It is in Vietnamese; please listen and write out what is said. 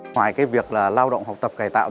ngoài việc lao động học tập cải tạo